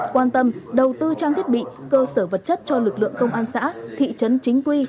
quan tâm đầu tư trang thiết bị cơ sở vật chất cho lực lượng công an xã thị trấn chính quy